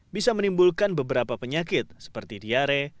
bisa menimbulkan beberapa penyakit seperti diare